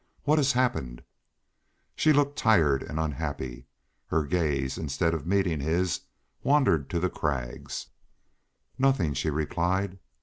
"What has happened?" She looked tired and unhappy, and her gaze, instead of meeting his, wandered to the crags. "Nothing," she replied.